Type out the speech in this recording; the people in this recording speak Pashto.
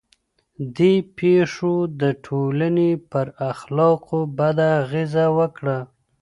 دې پېښو د ټولنې پر اخلاقو بده اغېزه وکړه.